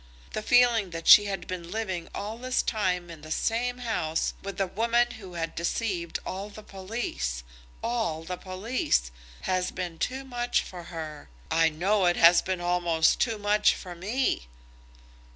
The feeling that she has been living all this time in the same house with a woman who had deceived all the police, all the police, has been too much for her. I know it has been almost too much for me."